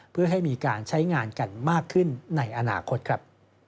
เพื่อให้มีการใช้งานกันมากขึ้นในอนาคตครับ